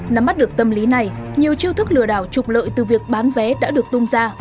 nắm mắt được tâm lý này nhiều chiêu thức lừa đảo trục lợi từ việc bán vé đã được tung ra